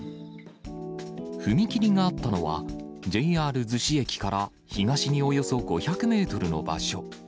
踏切があったのは、ＪＲ逗子駅から東におよそ５００メートルの場所。